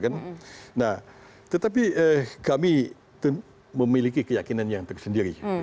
nah tetapi kami memiliki keyakinan yang tersendiri